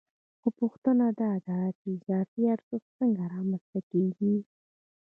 خو پوښتنه دا ده چې دا اضافي ارزښت څنګه رامنځته کېږي